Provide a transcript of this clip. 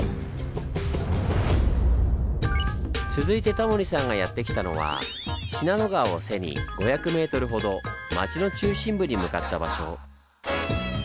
続いてタモリさんがやって来たのは信濃川を背に５００ｍほど町の中心部に向かった場所。